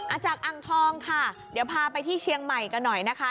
จากอังทองค่ะเดี๋ยวพาไปที่เชียงใหม่กันหน่อยนะคะ